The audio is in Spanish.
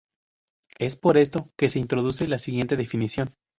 Es por esto que se introduce la siguiente definición.